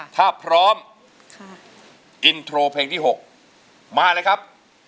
ถ้าพร้อมอินโทรเพลงที่๖มาเลยครับ